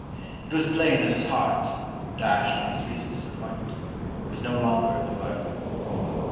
It was plain that his heart, dashed by his recent disappointment, was no longer in the work.